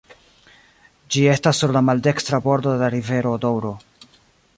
Ĝi estas sur la maldekstra bordo de la rivero Doŭro.